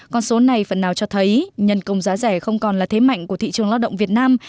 con số này phần nào cho thấy nhân công giá rẻ không còn là thế mạnh của thị trường lao động việt nam